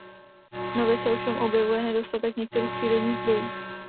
Nově se ovšem objevuje nedostatek některých přírodních zdrojů.